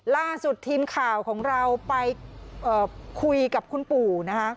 ล่าสุดทีมข่าวของเราไปคุยกับคุณปู่นะคะ